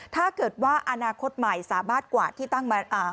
ถ้าเกิดว่าอนาคตใหม่สามารถกวาดที่ตั้งมา